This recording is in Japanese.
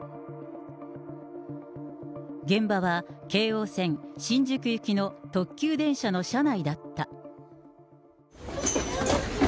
現場は京王線新宿行きの特急電車の車内だった。